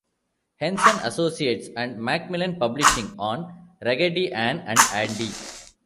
Henson Associates and MacMillan Publishing on "Raggedy Ann and Andy".